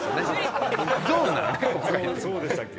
そうでしたっけ？